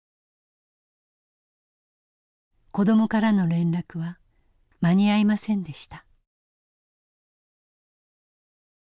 子どもからの連絡は間に合いませんでした。